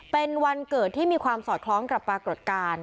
เป็นวันเกิดที่มีความสอดคล้องกับปรากฏการณ์